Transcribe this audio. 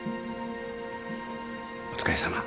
お疲れさま。